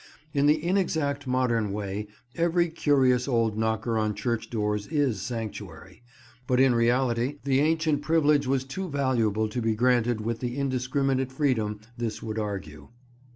In the inexact modern way, every curious old knocker on church doors is "sanctuary"; but in reality the ancient privilege was too valuable to be granted with the indiscriminate freedom this would argue.